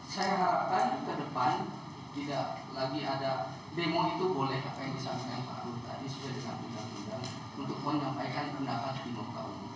saya harapkan ke depan tidak lagi ada demo itu boleh apa yang disampaikan pak agung tadi sudah disampaikan untuk menyampaikan pendapat di lokal